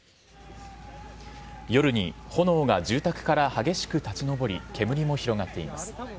夜に炎が住宅から激しく立ち上り、煙も広がっています。